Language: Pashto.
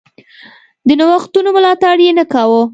د نوښتونو ملاتړ یې نه کاوه.